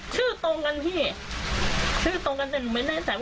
ชื่อตรงกันพี่ชื่อตรงกันแต่ผมไม่ได้ใจว่า